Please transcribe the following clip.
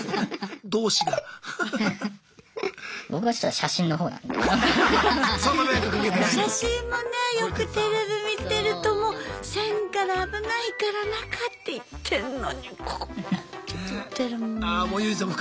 写真もねよくテレビ見てるともう線から危ないから中って言ってんのにこうやって撮ってるもんね。